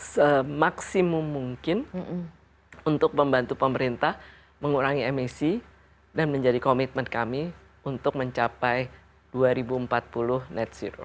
semaksimum mungkin untuk membantu pemerintah mengurangi emisi dan menjadi komitmen kami untuk mencapai dua ribu empat puluh net zero